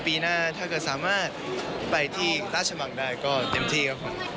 ปีหน้าถ้าเกิดสามารถไปที่ราชมังได้ก็เต็มที่ครับผม